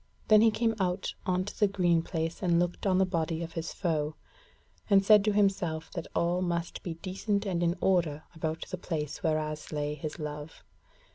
Then he came out on to the green place and looked on the body of his foe, and said to himself that all must be decent and in order about the place whereas lay his love.